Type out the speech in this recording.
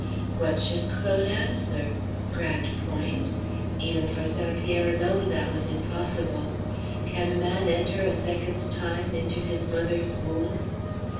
What should Claude answer? Grande Pointe? Even for St. Pierre alone that was impossible. "Can a man enter a second time into his mother's womb?"